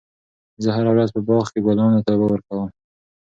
زه هره ورځ په باغ کې ګلانو ته اوبه ورکوم.